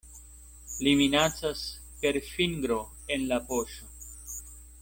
Li minacas per fingro en la poŝo.